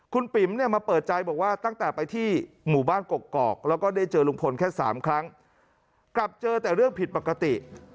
คุณปิ๋มเนี่ยมาเปิดใจบอกว่าตั้งแต่ไปที่หมู่บ้านกกอกแล้วก็ได้เจอลุงพลแค่๓ครั้งกลับเจอแต่เรื่องผิดปกติ